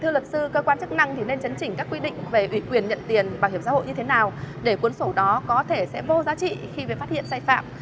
thưa luật sư cơ quan chức năng thì nên chấn chỉnh các quy định về ủy quyền nhận tiền bảo hiểm xã hội như thế nào để cuốn sổ đó có thể sẽ vô giá trị khi mới phát hiện sai phạm